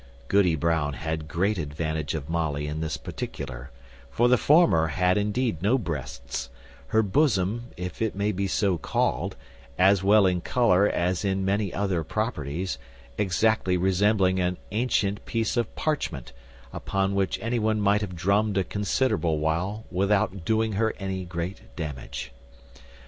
Goody Brown had great advantage of Molly in this particular; for the former had indeed no breasts, her bosom (if it may be so called), as well in colour as in many other properties, exactly resembling an antient piece of parchment, upon which any one might have drummed a considerable while without doing her any great damage.